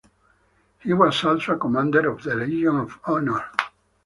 He was also a Commander of the Legion of Honour.